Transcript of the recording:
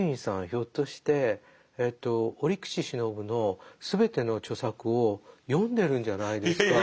ひょっとして折口信夫の全ての著作を読んでるんじゃないですか？